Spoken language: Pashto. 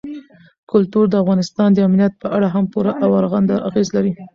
کلتور د افغانستان د امنیت په اړه هم پوره او رغنده اغېز لري.